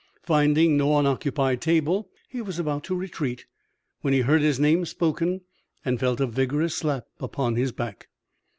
Finding no unoccupied table, he was about to retreat when he heard his name spoken and felt a vigorous slap upon the back.